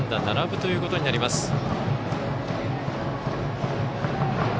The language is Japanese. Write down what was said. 並ぶということになります。